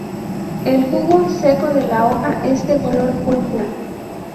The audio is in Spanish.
El jugo seco de la hoja es de color púrpura.